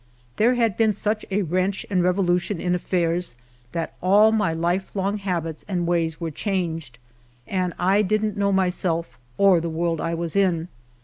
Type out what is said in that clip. There had been such a wrench and revoUuiou in affairs that all my life long habits and ways were changed, and I didn't know myself, or the world I was in.